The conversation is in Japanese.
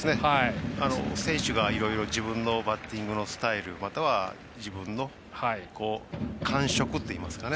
選手がいろいろ自分のバッティングのスタイルまたは自分の感触といいますか。